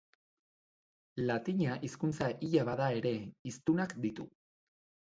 Latina hizkuntza hila bada ere, hiztunak ditu.